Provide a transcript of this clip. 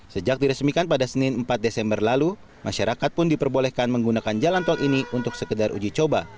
sejak diresmikan pada senin empat desember lalu masyarakat pun diperbolehkan menggunakan jalan tol ini untuk sekedar uji coba